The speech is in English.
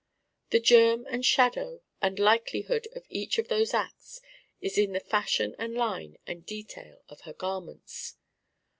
The germ and shadow and likelihood of each of those acts is in the fashion and line and detail of her garments.